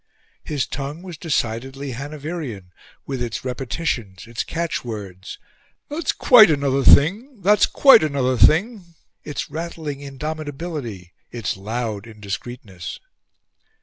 His tongue was decidedly Hanoverian, with its repetitions, its catchwords "That's quite another thing! That's quite another thing!" its rattling indomitability, its loud indiscreetness.